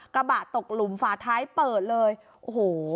กระบะตกหลุมฝาท้ายเปิดเลยโอ้โห